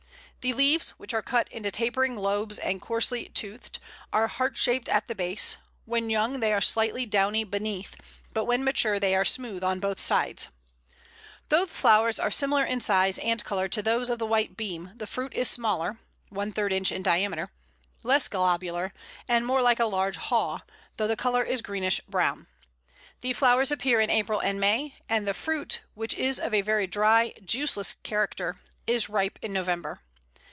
The leaves, which are cut into tapering lobes and coarsely toothed, are heart shaped at the base; when young they are slightly downy beneath, but when mature they are smooth on both sides. Though the flowers are similar in size and colour to those of the White Beam, the fruit is smaller (one third inch in diameter), less globular, and more like a large haw, though the colour is greenish brown. The flowers appear in April and May, and the fruit, which is of a very dry, juiceless character, is ripe in November.